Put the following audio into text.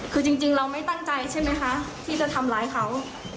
คือจริงเราไม่ตั้งใจใช่ไหมคะที่จะทำร้ายเขา